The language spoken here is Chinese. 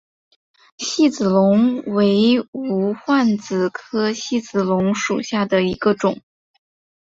细子龙为无患子科细子龙属下的一个种。